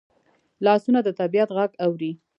لاسونه د طبیعت غږ اوري